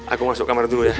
aku masuk kamar dulu ya